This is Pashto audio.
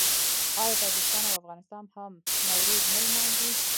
آیا تاجکستان او افغانستان هم نوروز نه لمانځي؟